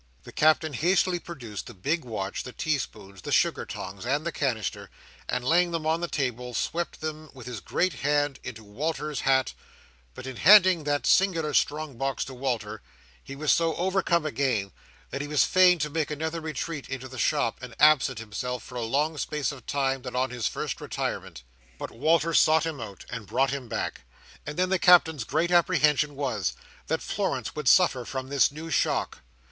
The Captain hastily produced the big watch, the teaspoons, the sugar tongs, and the canister, and laying them on the table, swept them with his great hand into Walter's hat; but in handing that singular strong box to Walter, he was so overcome again, that he was fain to make another retreat into the shop, and absent himself for a longer space of time than on his first retirement. But Walter sought him out, and brought him back; and then the Captain's great apprehension was, that Florence would suffer from this new shock.